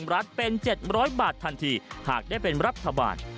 รัฐเป็น๗๐๐บาททันทีหากได้เป็นรัฐบาล